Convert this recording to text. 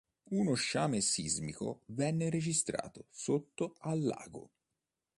Uno sciame sismico venne registrato sotto al lago.